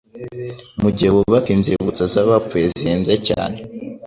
mu gihe bubaka inzibutso z'abapfuye zihenze cyane.